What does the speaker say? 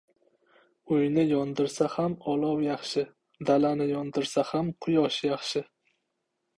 • Uyni yondirsa ham olov yaxshi, dalani yondirsa ham Quyosh yaxshi.